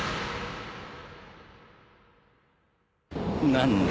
何だ？